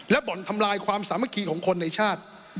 บ่อนทำลายความสามัคคีของคนในชาติ